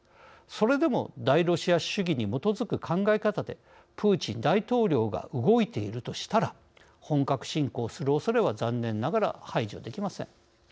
それでも大ロシア主義に基づく考え方でプーチン大統領が動いているとしたら本格侵攻するおそれは残念ながら排除できません。